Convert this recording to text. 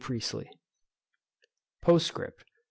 PRIESTLEY. POSTSCRIPT.